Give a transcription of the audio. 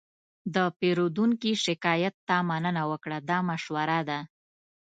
د پیرودونکي شکایت ته مننه وکړه، دا مشوره ده.